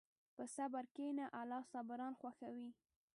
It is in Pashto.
په صبر کښېنه، الله صابران خوښوي.